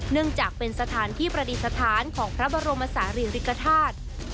เนื่องจากเป็นสถานที่ประดิษฐานของพระบรมศาลีริกฐาตุ